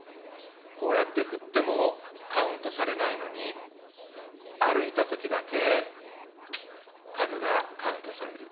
こうやって振ってもカウントされないのに歩いたときだけ数がカウントされる。